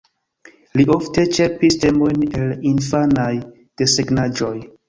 Li ofte ĉerpis temojn el infanaj desegnaĵoj.